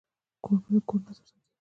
کوربه د کور نظم ساتي.